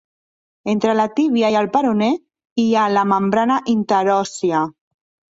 Entre la tíbia i el peroné hi ha la membrana interòssia.